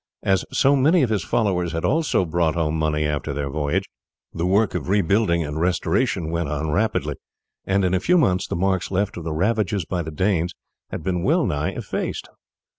As so many of his followers had also brought home money after their voyage, the work of rebuilding and restoration went on rapidly, and in a few months the marks left of the ravages by the Danes had been well nigh effaced.